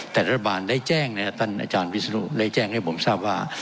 แต่รัฐบาลได้แจ้งนะครับท่านอาจารย์วิศนุได้แจ้งให้ผมทราบว่า